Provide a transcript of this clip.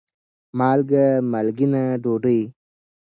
مالګه : مالګېنه ډوډۍ